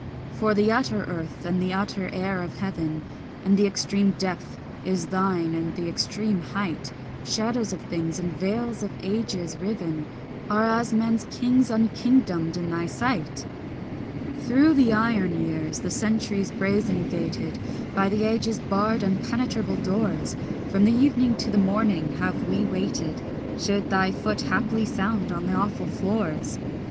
For the utter earth and the utter air of heaven And the extreme depth is thine and the extreme height; Shadows of things and veils of ages riven Are as men's kings unkingdomed in thy sight. Through the iron years, the centuries brazen gated, By the ages' barred impenetrable doors, From the evening to the morning have we waited, Should thy foot haply sound on the awful floors.